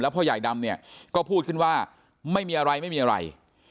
พ่อใหญ่ดำเนี่ยก็พูดขึ้นว่าไม่มีอะไรไม่มีอะไร